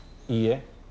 いいえ